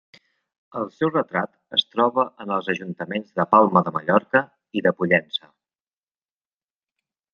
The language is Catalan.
El seu retrat es troba en els ajuntaments de Palma de Mallorca i de Pollença.